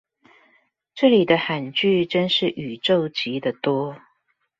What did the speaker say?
這裡的罕句真是宇宙級的多